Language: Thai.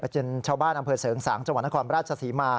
จนชาวบ้านอำเภอเสริงสางจังหวัดนครราชศรีมา